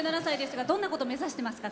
どんなことを目指してますか？